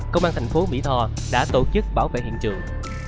công an thành phố mỹ tho đã tổ chức bảo vệ hiện trường